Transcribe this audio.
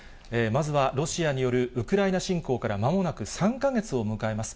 まずはロシアによるウクライナ侵攻からまもなく３か月を迎えます。